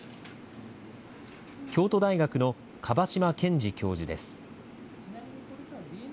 京都大学の椛島健治教授です。